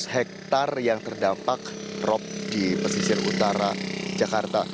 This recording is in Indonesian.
hektare yang terdampak rop di pesisir utara jakarta